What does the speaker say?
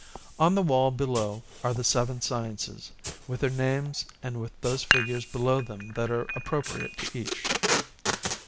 On the wall below are the Seven Sciences, with their names and with those figures below them that are appropriate to each.